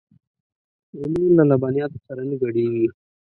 رومیان له لبنیاتو سره نه ګډېږي